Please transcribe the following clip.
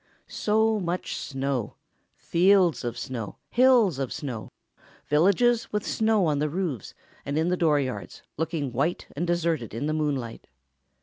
So much snow: fields of snow, hills of snow; villages with snow on the roofs, and in the dooryards, looking white and deserted in the moonlight.